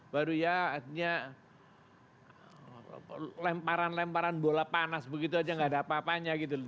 baru ya artinya lemparan lemparan bola panas begitu aja gak ada apa apanya gitu loh